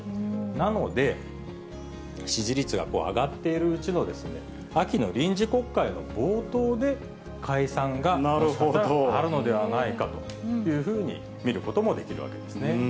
なので、支持率が上がっているうちの秋の臨時国会の冒頭で解散があるのではないかというふうに見ることもできるわけですね。